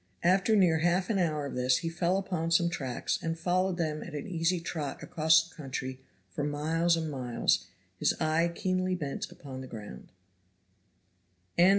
After near half an hour of this he fell upon some tracks and followed them at an easy trot across the country for miles and miles, his eye keenly bent upon the ground.